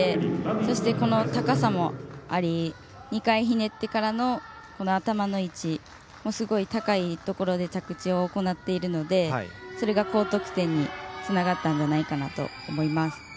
そして、高さもあり２回ひねってからの頭の位置もすごい高いところで着地を行っているのでそれが高得点につながったんじゃないかなと思います。